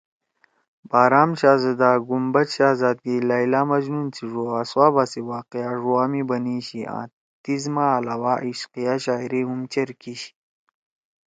بہرام شھازَدا، گنبد شھزادگی، لیلٰی مجنون سی ڙو، اصحابا سی واقعہ ڙوا می بنئی شی آں تیسما علاوہ عشقیہ شاعری ہُم چیر کیِشی۔